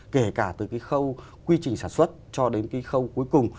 kể cả từ cái khâu quy trình sản xuất cho đến cái khâu cuối cùng